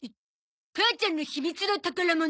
母ちゃんの秘密の宝物。